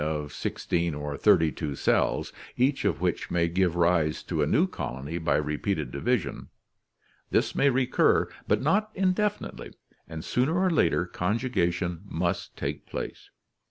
of sixteen or thirty two cells, each of which may give rise to a new colony by repeated division. This may recur, but not indefinitely, and sooner or later conjugation must take place.